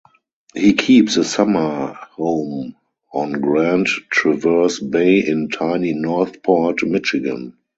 He keeps a summer home on Grand Traverse Bay in tiny Northport, Michigan.